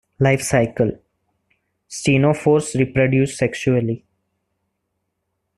Life Cycle: Ctenophores reproduce sexually.